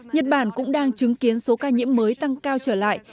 nhật bản cũng đang chứng kiến số ca nhiễm mới tăng cao trở lại